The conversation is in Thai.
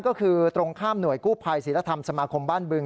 ก็คือตรงข้ามหน่วยกู้ภัยศิลธรรมสมาคมบ้านบึง